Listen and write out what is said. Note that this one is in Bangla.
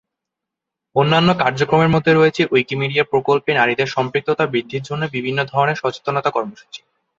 অন্যান্য কার্যক্রমের মধ্যে রয়েছে উইকিমিডিয়া প্রকল্পে নারীদের সম্পৃক্ততা বৃদ্ধির জন্য বিভিন্ন ধরনের সচেতনতা কর্মসূচি।